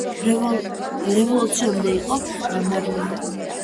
რევოლუციამდე იყო მარტინოვის საავადმყოფოს კარის ეკლესია.